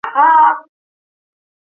城区整体位于平原地带。